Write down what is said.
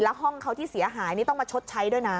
แล้วห้องเขาที่เสียหายนี่ต้องมาชดใช้ด้วยนะ